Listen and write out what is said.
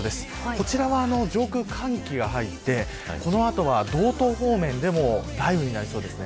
こちらは上空、寒気が入ってこの後は道東方面でも雷雨になりそうです。